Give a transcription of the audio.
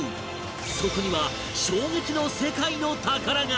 そこには衝撃の世界の宝が！